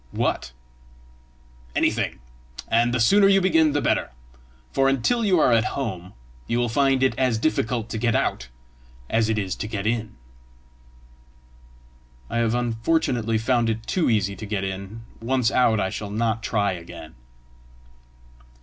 "What?" "Anything; and the sooner you begin the better! for until you are at home, you will find it as difficult to get out as it is to get in." "I have, unfortunately, found it too easy to get in; once out I shall not try again!"